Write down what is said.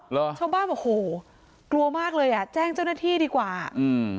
เหรอชาวบ้านบอกโหกลัวมากเลยอ่ะแจ้งเจ้าหน้าที่ดีกว่าอืม